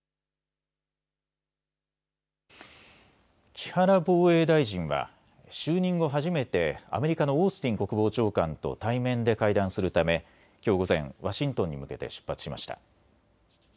木原防衛大臣は就任後初めてアメリカのオースティン国防長官と対面で会談するためきょう午前、ワシントンに向けて出発しました。